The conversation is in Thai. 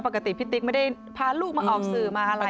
ปกติพี่ติ๊กไม่ได้พาลูกมาออกสื่อมาอะไร